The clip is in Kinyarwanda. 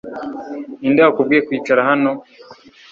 Ninde wakubwiye kwicara hano